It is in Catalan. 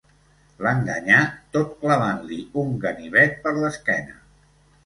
L'enganyà tot clavant-li un ganivet per l'esquena.